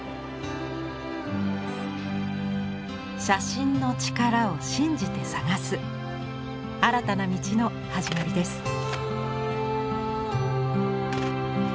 写真のチカラを信じて探す新たな道の始まりです。